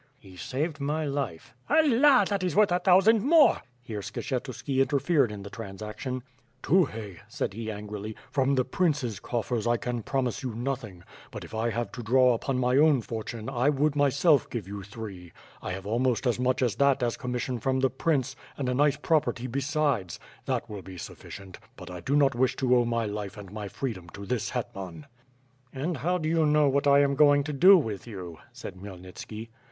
"He saved my life." "Allah, that is worth a thousand more!" * In the name of God ; the first word of the Komu, 144 WITH FIRE AND SWORD. '45 Here Skshetuski interfered in the transaction: "Tukhay," said he angrily, "from the princess coffers I can promise you nothing, but if I have to draw upon my own fortune I would myself give you three. I have almost as much as that as commission from the prince and a nice prop erty besides — ^that will be suificient. But I do not wish to owe my life and my freedom to this hetman." "And how do you know what I am going to do with you," said Khmyelnitski.